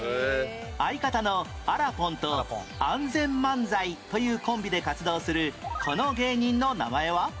相方のあらぽんと ＡＮＺＥＮ 漫才というコンビで活動するこの芸人の名前は？